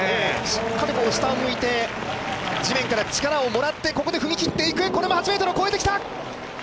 しっかり下を向いて地面から力をもらってここで踏み切っていくこれも８ｍを越えてきた。